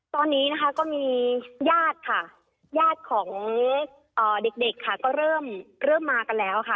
ตอนนี้นะคะก็มีญาติค่ะญาติของเด็กเด็กค่ะก็เริ่มเริ่มมากันแล้วค่ะ